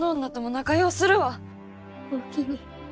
おおきに。